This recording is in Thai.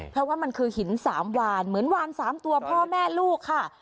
เพราะว่ามันคือหิน๓วานเหมือนวาน๓ตัวพ่อแม่ลูกค่ะ